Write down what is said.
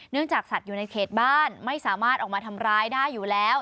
จากสัตว์อยู่ในเขตบ้านไม่สามารถออกมาทำร้ายได้อยู่แล้ว